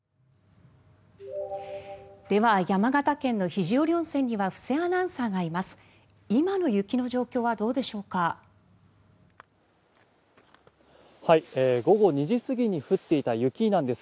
では山形県の肘折温泉には布施アナウンサーがいます。